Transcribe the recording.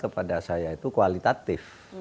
kepada saya itu kualitatif